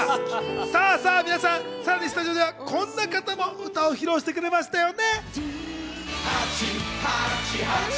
さぁさぁ皆さん、スタジオではこんな方も歌を披露してくれましたよね。